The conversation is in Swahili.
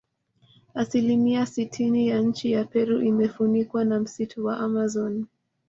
Asilimia sitini ya nchi ya Peru imefunikwa na msitu wa Amazon